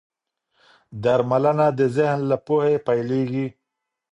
درملنه د ذهن له پوهې پيلېږي.